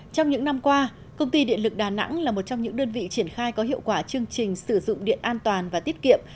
trong những năm qua công ty điện lực đà nẵng là một trong những đơn vị triển khai có hiệu quả chương trình sử dụng điện an toàn và tiết kiệm